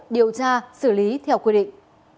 điều tra xử lý theo quy định